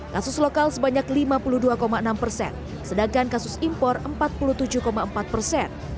kasus lokal sebanyak lima puluh dua enam persen sedangkan kasus impor empat puluh tujuh empat persen